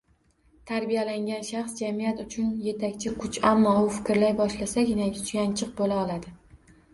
Tarbiyalangan shaxs jamiyat uchun yetakchi kuch, ammo u fikrlay boshlasagina suyanchiq bo‘la oladi